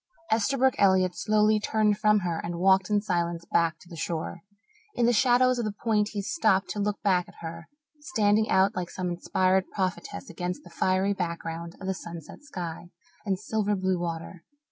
Esterbrook Elliott slowly turned from her and walked in silence back to the shore. In the shadows of the point he stopped to look back at her, standing out like some inspired prophetess against the fiery background of the sunset sky and silver blue water.